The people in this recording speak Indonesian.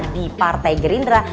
di partai gerindra